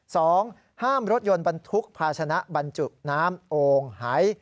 สองห้ามรถยนต์บรรทุกภาชนะบรรจุน้ำโอ่งหาย